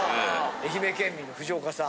愛媛県民の藤岡さん。